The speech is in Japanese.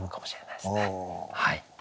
はい。